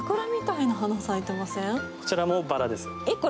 こちらもバラです！